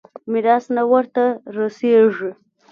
ميراث نه ورته رسېږي.